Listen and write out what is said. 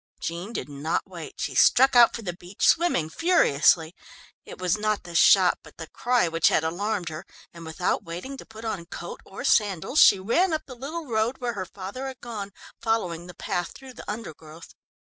Jean did not wait. She struck out for the beach, swimming furiously. It was not the shot, but the cry which had alarmed her, and without waiting to put on coat or sandals, she ran up the little road where her father had gone, following the path through the undergrowth.